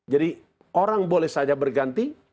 jadi orang boleh saja berganti